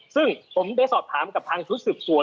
ซึ่งผมได้สอบถามกับทางชุดสืบสวน